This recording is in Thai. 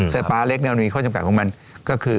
แต่ป๊าเล็กมีข้อจำกัดของมันก็คือ